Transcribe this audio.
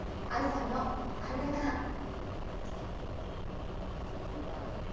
ＡＩさんの「アルデバラン」。